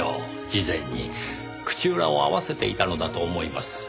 事前に口裏を合わせていたのだと思います。